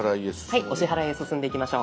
はいお支払いへ進んでいきましょう。